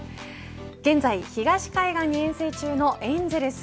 現在、東海岸に遠征中のエンゼルス。